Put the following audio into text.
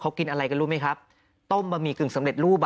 เขากินอะไรกันรู้ไหมครับต้มบะหมี่กึ่งสำเร็จรูปอ่ะ